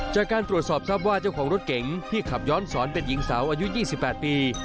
จากการตรวจสอบทรัพย์ว่าเจ้าของรถเก๋งที่ขับย้อนสอนเป็นหญิงสาวอายุ๒๘ปี